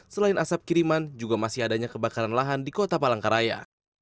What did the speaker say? selain asap kiriman juga masih adanya kebakaran lahan di kota palangkaraya